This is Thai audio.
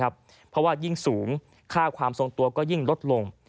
เพราะว่ายิ่งสูงค่าความทรงตัวก็ยิ่งลดลง